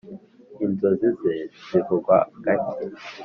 inzozi ze zivugwa gake.